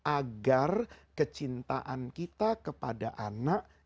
agar kecintaan kita kepada anak